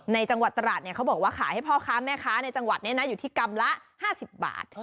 ในจังหวัดตราดเขาบอกว่าขายให้พ่อค้าแม่ค้าในจังหวัดนี้นะอยู่ที่กรัมละ๕๐บาท